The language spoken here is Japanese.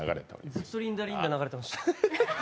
ずっと「リンダリンダ」が流れてました。